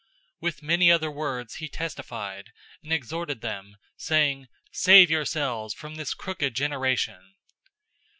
002:040 With many other words he testified, and exhorted them, saying, "Save yourselves from this crooked generation!"